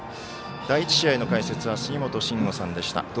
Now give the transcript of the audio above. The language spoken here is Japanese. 第１試合の解説は杉本真吾さんでした。